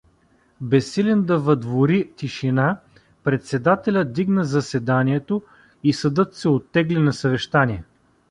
Безсилен да въдвори тишина, председателят дигна заседанието и съдът се оттегли на съвещание.